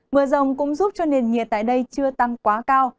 mưa rồng cũng giúp cho nền nhiệt tại đây chưa tăng quá cao